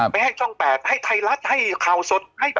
ไปให้ช่อง๘ให้ไทยรัฐให้ข่าวสด